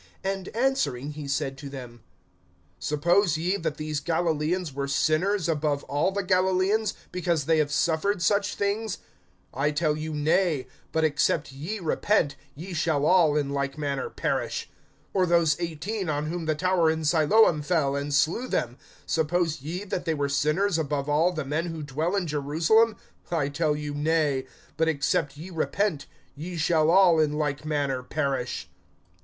(2)And answering he said to them: Suppose ye that these Galilaeans were sinners above all the Galilaeans, because they have suffered such things? (3)I tell you, nay; but, except ye repent, ye shall all in like manner perish. (4)Or those eighteen, on whom the tower in Siloam fell, and slew them, suppose ye that they were sinners above all the men who dwell in Jerusalem? (5)I tell you, nay; but, except ye repent, ye shall all in like manner perish.